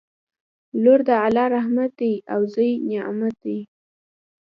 لور د الله رحمت دی او زوی نعمت دی